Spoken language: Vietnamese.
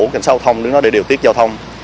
cảnh sát giao thông đến đó để điều tiết giao thông